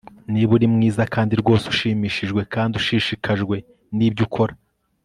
niba uri mwiza kandi rwose ushimishijwe kandi ushishikajwe nibyo ukora